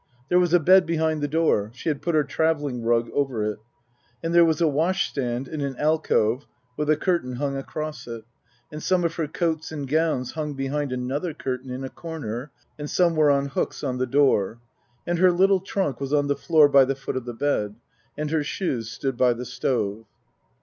There was a bed behind the door ; she had put her travelling rug over it. And there was a washstand in an alcove with a curtain hung across it ; and some of her coats and gowns hung behind another curtain in a corner, and some were on hooks on the door. And her little trunk was on the floor by the foot of the bed. And her shoes stood by the stove.